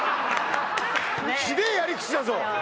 ひでえやり口だぞ